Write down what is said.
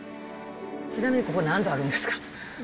ちなみにここ何度あるんですか？